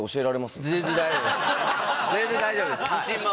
全然大丈夫です！